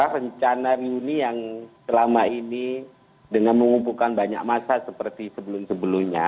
rencana reuni yang selama ini dengan mengumpulkan banyak masa seperti sebelum sebelumnya